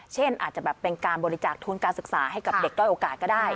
เช่นอาจจะแบบเป็นการบริจาคทุนการศึกษาให้กับเด็กด้อยโอกาสก็ได้